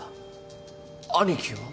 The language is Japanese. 兄貴は？